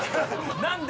何で？